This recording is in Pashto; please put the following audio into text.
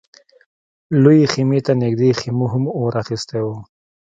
لويې خيمې ته نږدې خيمو هم اور اخيستی و.